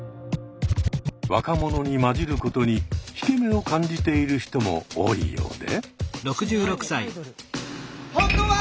若者に交じることに引け目を感じている人も多いようで。